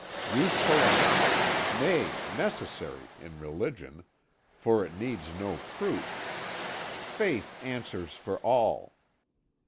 Useful enough, nay, necessary, in religion, for it needs no proof. Faith answers for all.